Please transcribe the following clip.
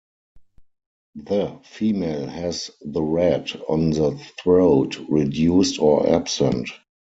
The female has the red on the throat reduced or absent.